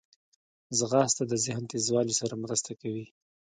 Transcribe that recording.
ځغاسته د ذهن تیزوالي سره مرسته کوي